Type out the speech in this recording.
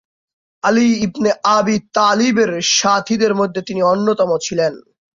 Ali ibn Abi তালিবের সাথীদের মধ্যে তিনি অন্যতম ছিলেন।